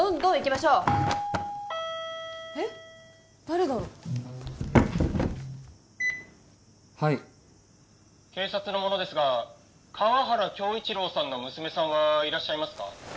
誰だろうはい警察の者ですが川原恭一郎さんの娘さんはいらっしゃいますか？